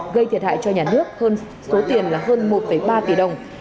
gây thiệt hại cho nhà nước hơn số tiền là hơn một ba tỷ đồng